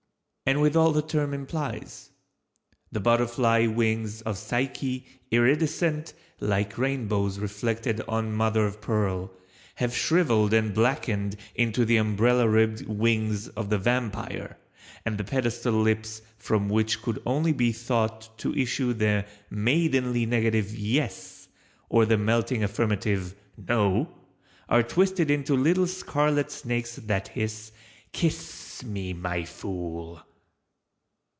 And with all the term implies. The butterfly wings of Psyche, iridescent, like rainbows reflected on mother of pearl, have shrivelled and blackened into the umbrella ribbed wings of the vampire and the petalled lips from which could only be thought to issue the maidenly negative "yes" or the melting affirmative "no"—are twisted into little scarlet snakes that hiss, "Kisssss me my fool!"